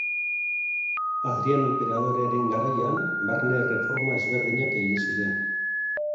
Hadriano enperadorearen garaian, barne erreforma ezberdinak egin ziren.